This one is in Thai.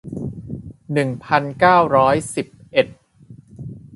หนึ่งพันเก้าร้อยเก้าสิบเอ็ด